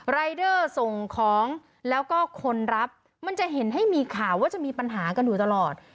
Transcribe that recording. รายเดอร์ส่งของแล้วก็คนรับมันจะเห็นให้มีข่าวว่าจะมีปัญหากันอยู่ตลอด